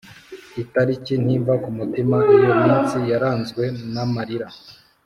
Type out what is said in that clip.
itariki ntimva ku mutima, iyo minsi yaranzwe n’amarira